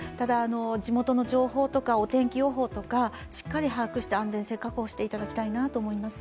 地元の情報とか、お天気予報とかしっかり把握して安全性を確保していただきたいなと思います。